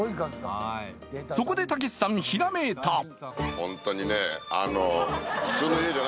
そこで、たけしさんひらめいた！